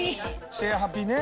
シェアハピね。